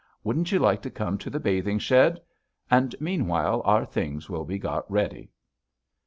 Wouldn't you like to come to the bathing shed? And meanwhile our things will be got ready."